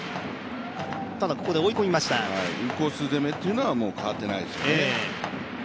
ただ、ここで追い込みましたインコース攻めっていうのは変わってないですね。